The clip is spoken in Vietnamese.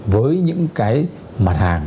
với những cái mặt hàng